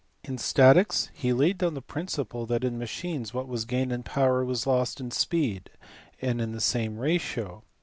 In statics he laid down the principle that in machines what was gained in power was lost in speed, and in the same ratio.